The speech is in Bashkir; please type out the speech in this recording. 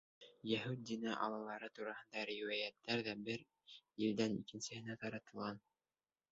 Йәһүд дине аллалары тураһында риүәйәттәр ҙә бер илдән икенсеһенә таратылған.